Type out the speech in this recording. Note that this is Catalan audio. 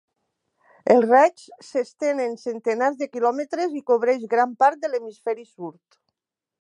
Els raigs s'estenen centenars de quilòmetres i cobreix gran part de l'hemisferi sud.